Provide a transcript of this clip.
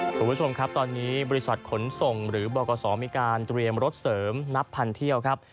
คุณผู้ชมครับตอนนี้บริษัทขนส่งหรือบกษมีการเตรียมรถเสริมนับพันเที่ยวครับ